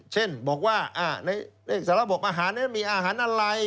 เช่นบอกว่าในเลขสารบกอาหารนั้นมีอาหารอะไร